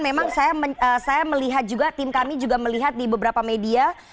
memang saya melihat juga tim kami juga melihat di beberapa media